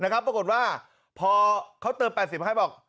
นะครับปรากฏว่าเพราะเขาเติม๘๐ให้บอก